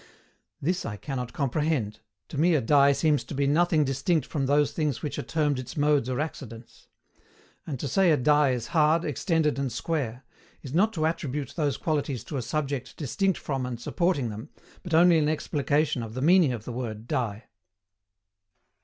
This I cannot comprehend: to me a die seems to be nothing distinct from those things which are termed its modes or accidents. And, to say a die is hard, extended, and square is not to attribute those qualities to a subject distinct from and supporting them, but only an explication of the meaning of the word DIE.